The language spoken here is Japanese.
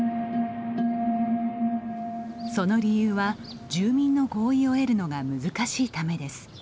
その理由は住民の合意を得るのが難しいためです。